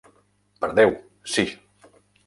Per Déu, sí.